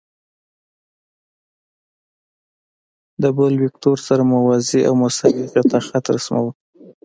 د بل وکتور سره موازي او مساوي قطعه خط رسموو.